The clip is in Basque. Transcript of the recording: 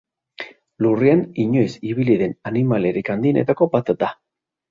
Lurrean inoiz ibili den animaliarik handienetako bat da.